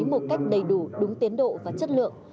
một cách đầy đủ đúng tiến độ và chất lượng